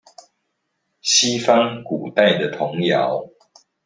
西方古代的童謠